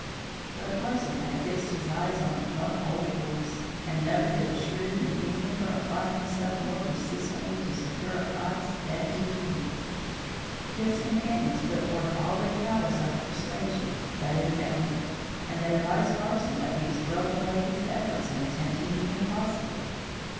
But Carson had fixed his eyes on a plump old horse, and never did a shrewd New Englander apply himself more persistently to secure a prize than did he. Kit's companions put forth all their powers of persuasion, but in vain, and they advised Carson that he was throwing away his efforts in attempting the impossible.